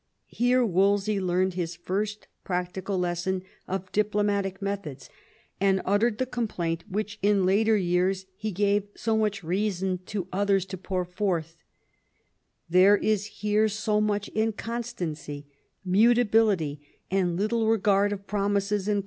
Here Wolsey learned his first practical lesson of diplomatic methods, and uttered the complaint, which in later years he gave so much reason to others to pour forth, " There is here so much inconstancy, mutability, and little regard of promises and.